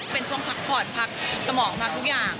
เป็นช่วงพักผ่อนพักสมองพักทุกอย่าง